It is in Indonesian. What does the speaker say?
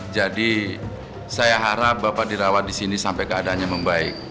jadi saya harap bapak dirawat di sini sampai keadaannya membaik